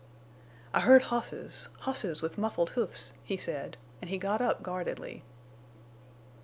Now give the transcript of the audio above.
"I heard hosses—hosses with muffled hoofs!" he said; and he got up guardedly.